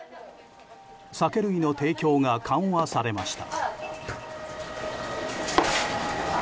酒類の提供が緩和されました。